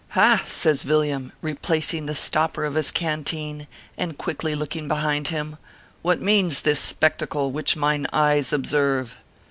Ha !" says Villiam, replacing the stopper of his can teen, and quickly looking behind him, " What means this spectacle which mine eyes observe